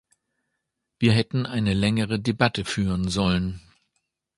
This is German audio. Wir hätten eine längere Debatte führen sollen.